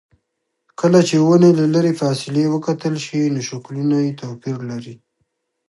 کله چې ونې له لرې فاصلې وکتل شي ټول شکلونه یې توپیر لري.